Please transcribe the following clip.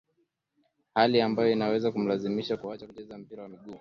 Hali ambayo inaweza kumlazimisha kuacha kucheza mpira wa miguu